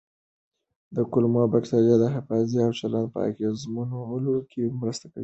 کولمو بکتریاوې د حافظې او چلند په اغېزمنولو کې مرسته کوي.